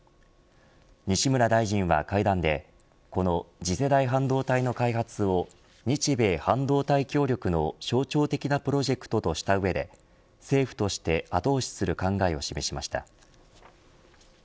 西村大臣は会談でこの次世代半導体の開発を日米半導体協力の象徴的なプロジェクトとした上で政府として後押しする考えを示しました。